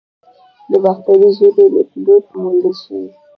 د باختري ژبې لیکدود موندل شوی